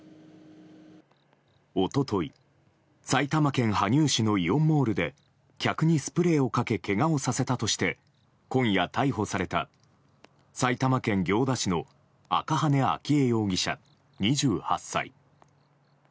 一昨日埼玉県羽生市のイオンモールで客にスプレーをかけけがをさせたとして今夜、逮捕された埼玉県行田市の赤羽純依容疑者、２８歳。